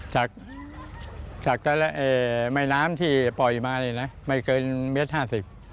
จากไม่น้ำที่ปล่อยมาไม่เกิน๑๕๐เมตร